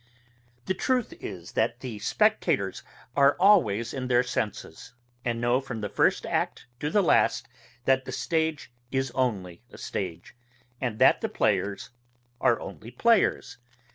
The truth is, that the spectators are always in their senses, and know, from the first act to the last, that the stage is only a stage, and that the players are only players.